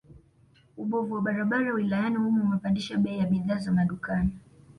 Ubovu wa barabara wilayani humo umepandisha bei ya bidhaa za madukani